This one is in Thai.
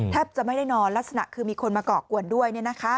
จะไม่ได้นอนลักษณะคือมีคนมาก่อกวนด้วย